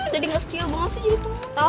jadi gak setia banget sih jadi tau